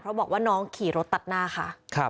เพราะบอกว่าน้องขี่รถตัดหน้าค่ะ